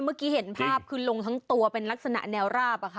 เมื่อกี้เห็นภาพขึ้นลงทั้งตัวเป็นลักษณะแนวราบ